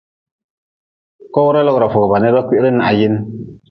Kowra logra fogʼba kwihiri n hayin.